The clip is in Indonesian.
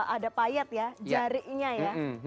ada payet ya jari nya ya